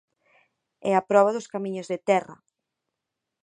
E a proba dos camiños de terra.